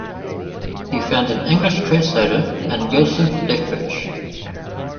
He found an English translator in Joseph Leftwich.